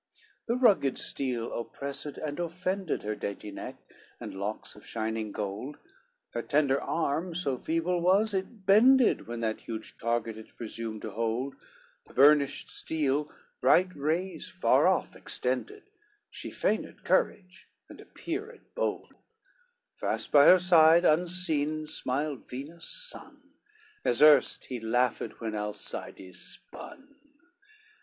XCII The rugged steel oppressed and offended Her dainty neck, and locks of shining gold; Her tender arm so feeble was, it bended When that huge target it presumed to hold, The burnished steel bright rays far off extended, She feigned courage, and appeared bold; Fast by her side unseen smiled Venus' son, As erst he laughed when Alcides spun.